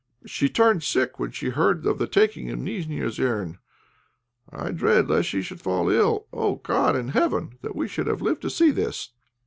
"She turned sick when she heard of the taking of Nijnéosern; I dread lest she should fall ill. Oh! God in heaven! that we should have lived to see this!"